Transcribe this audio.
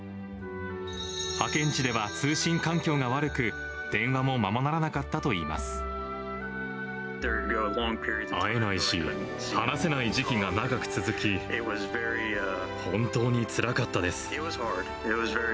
派遣地では通信環境が悪く、電話もままならなかったといいま会えないし、話せない時期が長く続き、本当につらかったです。